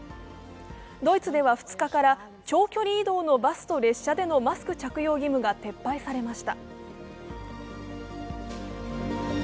ドイツでは２日から長距離移動のバスト列車でのマスク着用が撤廃されました。